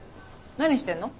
何してんの？